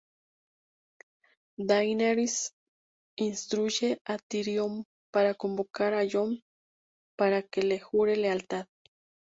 Daenerys instruye a Tyrion para convocar a Jon para que le jure lealtad.